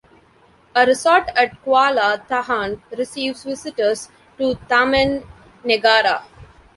A resort at Kuala Tahan receives visitors to Taman Negara.